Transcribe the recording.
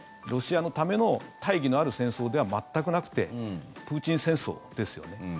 ロシアのための大義のある戦争では全くなくてプーチン戦争ですよね。